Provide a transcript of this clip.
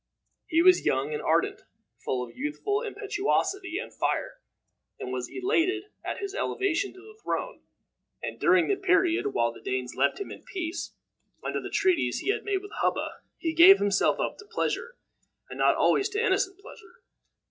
He was young and ardent, full of youthful impetuosity and fire, and was elated at his elevation to the throne; and, during the period while the Danes left him in peace, under the treaties he had made with Hubba, he gave himself up to pleasure, and not always to innocent pleasure.